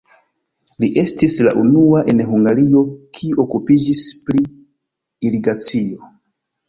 Li estis la unua en Hungario, kiu okupiĝis pri irigacio.